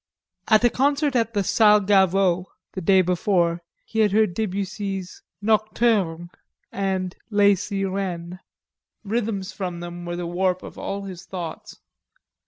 At a concert at the Salle Gaveau the day before he had heard Debussy's Nocturnes and Les Sirenes. Rhythms from them were the warp of all his thoughts.